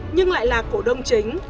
nhưng lại là cổ đông chính